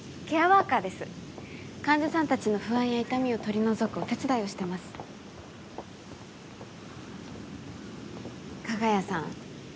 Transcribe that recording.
ケアワーカーです患者さん達の不安や痛みを取り除くお手伝いをしてます加賀谷さん